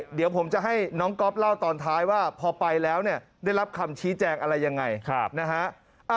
เดี๋ยวผมจะให้น้องก๊อฟเล่าตอนท้ายว่าพอไปแล้วเนี่ยได้รับคำชี้แจงอะไรยังไงนะฮะ